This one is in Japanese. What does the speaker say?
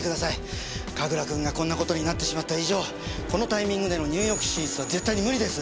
神楽くんがこんな事になってしまった以上このタイミングでのニューヨーク進出は絶対に無理です！